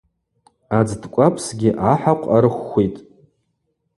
Адзтӏкӏвапсгьи ахӏахъв арыхвхвитӏ.